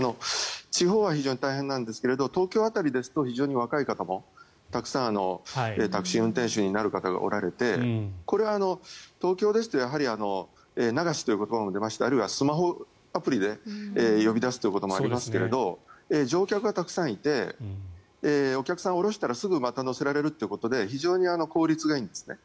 地方は非常に大変なんですが東京辺りですと非常に若い方もタクシー運転手になる方がおられてこれ、東京ですと流しという言葉も出ましたがあるいはスマホアプリで呼び出すということもありますが乗客がたくさんいてお客さんを降ろしたらまたすぐ乗せられるということで非常に効率がいいんですね。